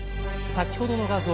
先ほどの画像